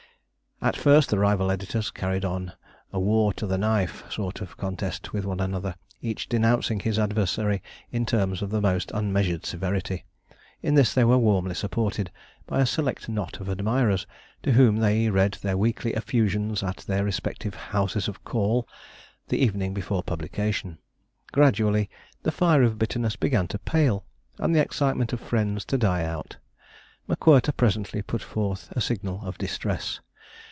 At first the rival editors carried on a 'war to the knife' sort of contest with one another, each denouncing his adversary in terms of the most unmeasured severity. In this they were warmly supported by a select knot of admirers, to whom they read their weekly effusions at their respective 'houses of call' the evening before publication. Gradually the fire of bitterness began to pale, and the excitement of friends to die out; M'Quirter presently put forth a signal of distress.